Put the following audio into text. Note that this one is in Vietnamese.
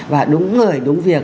và đúng người đúng việc